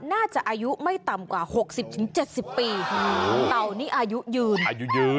น่าจะอายุไม่ต่ำกว่าหกสิบถึงเจ็ดสิบปีอืมเตานี่อายุยืนอายุยืน